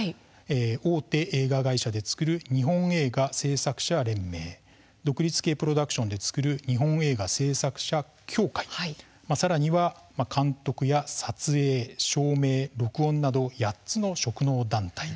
大手映画会社で作る日本映画製作者連盟独立系プロダクションで作る日本映画製作者協会さらには監督や撮影、照明録音など８つの職能団体。